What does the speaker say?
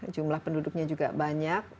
jumlah penduduknya juga banyak